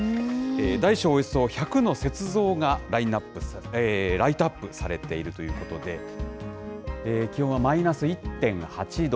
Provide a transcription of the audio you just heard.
大小およそ１００の雪像がライトアップされているということで、気温はマイナス１．８度。